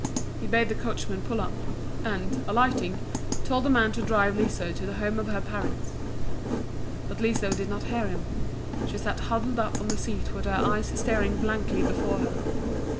He bade the coachman pull up, and, alighting, told the man to drive Liso to the home of her parents. But Liso did not hear him she sat huddled up on the seat with her eyes staring blankly before her.